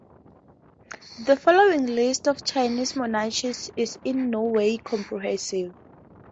The following list of Chinese monarchs is in no way comprehensive.